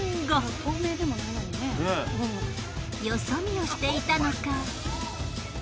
よそ見をしていたのか？